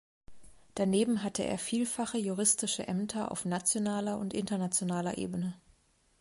Daneben hatte er vielfache juristische Ämter auf nationaler und internationaler Ebene.